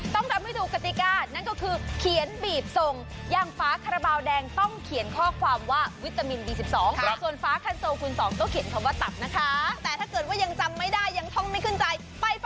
ต้องทำให้ดูกฎิกานั่นก็คือเขียนบีบทรงย่างฟ้าขระเบาแดงต้องเขียนข้อความว่าวิตามินดี๑๒